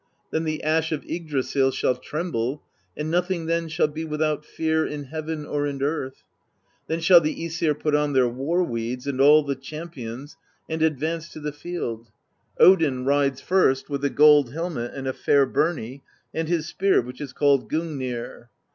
Then the Ash of Ygg drasill shall tremble, and nothing then shall be without fear in heaven or in earth. Then shall the iEsir put on their war weeds, and all the Champions, and advance to the field: Odin rides first with the gold helmet and a fair birnie, and his spear, which is called Gungnir.